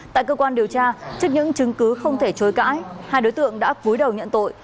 tại cơ quan điều tra trước những chứng cứ không thể chối cãi hai đối tượng đã cúi đầu nhận tội